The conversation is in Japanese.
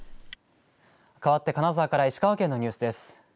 かわって金沢から石川県のニュースです。